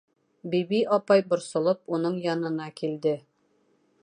Биби апай, борсолоп, уның янына килде.